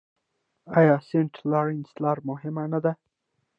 آیا سینټ لارنس لاره مهمه نه ده؟